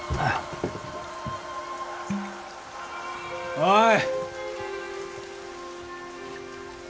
おい！